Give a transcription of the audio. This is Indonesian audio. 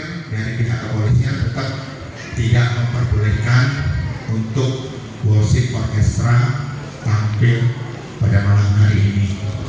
dan pihak kepolisian tetap tidak memperbolehkan untuk world ship orchestra tampil pada malam hari ini